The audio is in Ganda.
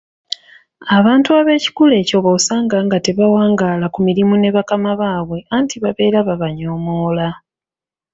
Abantu ab'ekikula ekyo b'osanga nga tebawangaala ku mirimu ne bakama baabwe anti babeera babanyoomoola